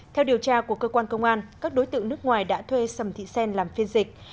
theo điều tra của cơ quan công an các đối tượng nước ngoài đã thuê sầm thị xen làm phiên dịch